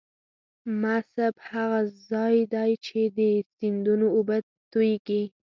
مصب هغه ځاي دې چې د سیندونو اوبه تویږي.